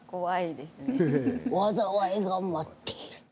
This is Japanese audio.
災いが待っている。